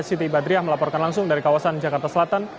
siti badriah melaporkan langsung dari kawasan jakarta selatan